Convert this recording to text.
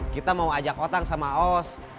kita mau ajak otak sama os